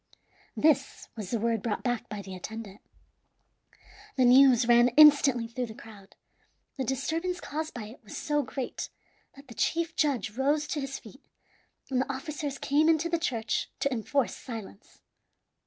This was the word brought back by the attendant. The news ran instantly through the crowd. The disturbance caused by it was so great that the chief judge rose to his feet, and the officers came into the church, to enforce silence.